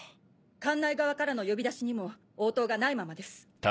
館内側からの呼び出しにも応答がないままです。